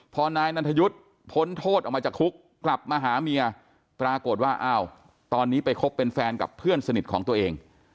พอนายนันทยุทธ์พ้นโทษออกมาจากคุกกลับมาหาเมียปรากฏว่าอ้าวตอนนี้ไปคบเป็นแฟนกับเพื่อนสนิทของตัวเอง